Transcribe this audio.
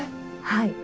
はい。